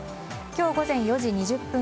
今日午前４時２０分